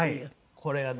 これがね